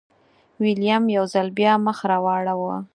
ویلیم یو ځل بیا مخ راواړوه.